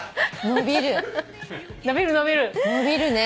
伸びるね。